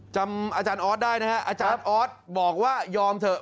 จำอาจารย์ออสได้นะฮะอาจารย์ออสบอกว่ายอมเถอะ